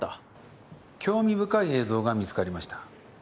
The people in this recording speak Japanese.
興味深い映像が見つかりました。